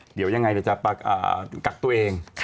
เดี๋ยวยังไงจะกักตัวเอง